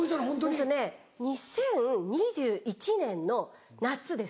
えっとね２０２１年の夏です。